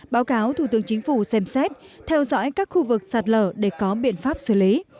báo cáo thủ tướng chính phủ xem xét theo dõi các khu vực sạt lở để có biện pháp xử lý